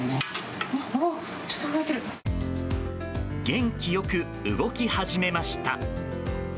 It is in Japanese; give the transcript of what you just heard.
元気良く動き始めました。